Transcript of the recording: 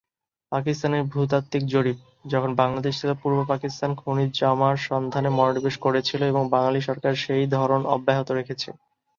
পাকিস্তানের ভূতাত্ত্বিক জরিপ, যখন বাংলাদেশ ছিল পূর্ব পাকিস্তান খনিজ জমার সন্ধানে মনোনিবেশ করেছিল এবং বাঙালি সরকার সেই ধরন অব্যাহত রেখেছে।